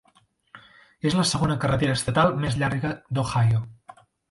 És la segona carretera estatal més llarga d'Ohio.